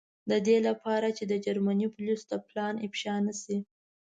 د دې له پاره چې د جرمني پولیسو ته پلان افشا نه شي.